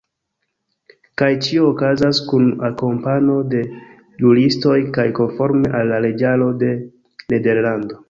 Kaj ĉio okazas kun akompano de juristoj kaj konforme al la leĝaro de Nederlando.